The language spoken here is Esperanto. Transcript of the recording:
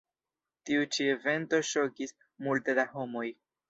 Tiu ĉi evento ŝokis multe da homoj.